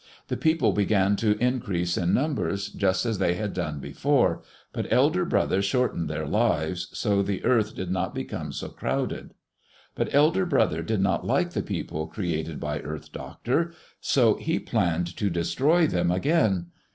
The people began to increase in numbers, just as they had done before, but Elder Brother shortened their lives, so the earth did not become so crowded. But Elder Brother did not like the people created by Earth Doctor, so he planned to destroy them again.